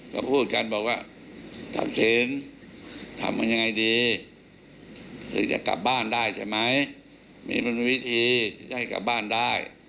ก็พูดกันบอกว่าตัดสินทำกันยังไงดีถึงจะกลับบ้านได้ใช่ไหมมีมันมีวิธีที่จะให้กลับบ้านได้